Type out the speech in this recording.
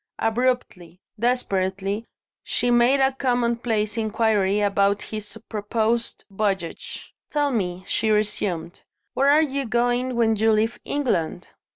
Abruptly, desperately, she made a commonplace inquiry about his proposed voyage. "Tell me," she resumed, "where are you going when you leave England?"